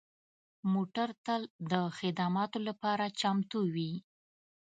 موټر تل د خدماتو لپاره چمتو وي.